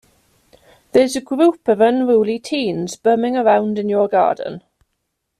There's a group of unruly teens bumming around in your garden.